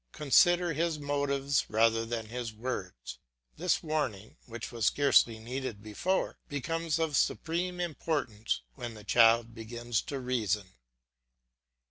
Consider his motives rather than his words. This warning, which was scarcely needed before, becomes of supreme importance when the child begins to reason.